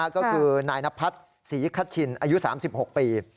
ก็คือนายนพัฒน์ศรีคัชชินอายุ๓๖ปี